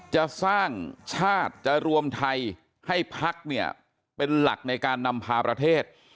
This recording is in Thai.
จะสร้างชาติจะรวมไทยให้พักเนี่ยเป็นหลักในการนำพาประเทศ